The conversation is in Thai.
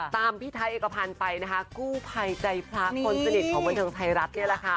พี่ไทยเอกพันธ์ไปนะคะกู้ภัยใจพระคนสนิทของบันเทิงไทยรัฐนี่แหละค่ะ